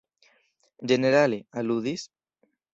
Ĝenerale, aludis?